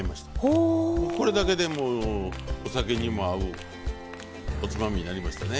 これだけでもうお酒にも合うおつまみになりましたね。